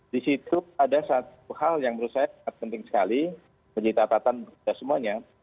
disitu ada satu hal yang menurut saya penting sekali menjadi tatatan kita semuanya